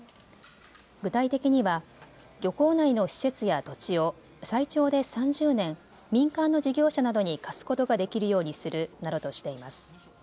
具体的には漁港内の施設や土地を最長で３０年、民間の事業者などに貸すことができるようにするなどとしています。